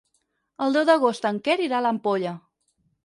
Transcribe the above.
El deu d'agost en Quer irà a l'Ampolla.